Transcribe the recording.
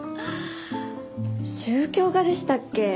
宗教画でしたっけ？